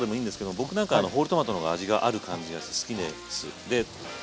僕何かホールトマトの方が味がある感じがして好きです。